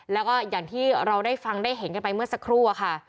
แล้วก็อย่างที่เราได้ฟังได้เห็นกันไปเมื่อสักครู่อะค่ะ